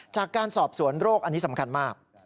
จากการสอบสวนโรคอันนี้สำคัญมาก